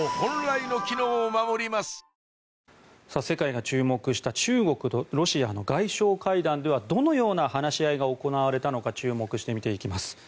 世界が注目した中国とロシアの外相会談ではどのような話し合いが行われたのか注目して見ていきます。